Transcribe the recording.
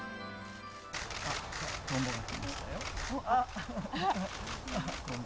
あっ、トンボが来ましたよ。